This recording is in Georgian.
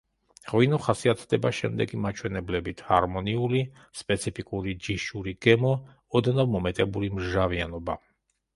ღვინო ხასიათდება შემდეგი მაჩვენებლებით: ჰარმონიული, სპეციფიკური ჯიშური გემო, ოდნავ მომეტებული მჟავიანობა.